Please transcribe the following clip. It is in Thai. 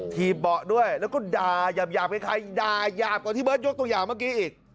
ถีบเบาะด้วยแล้วก็ด่ายาบคล้ายด่ายาบกว่าที่เบิร์ตยกตัวอย่างเมื่อกี้อีก